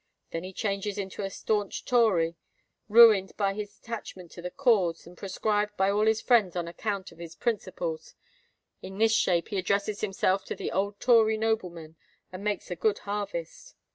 Then he changes into a stanch Tory, ruined by his attachment to the cause, and proscribed by all his friends on account of his principles: in this shape he addresses himself to the old Tory noblemen, and makes a good harvest.